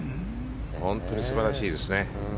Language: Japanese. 本当に素晴らしいですね。